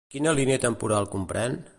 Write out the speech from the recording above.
Quina línia temporal comprèn?